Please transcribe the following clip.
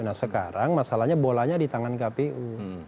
nah sekarang masalahnya bolanya di tangan kpu